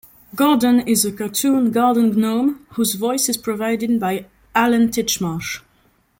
Gordon is a cartoon garden gnome, whose voice is provided by Alan Titchmarsh.